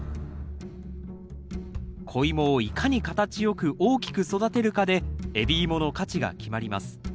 子イモをいかに形良く大きく育てるかで海老芋の価値が決まります。